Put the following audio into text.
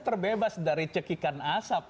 terbebas dari cekikan asap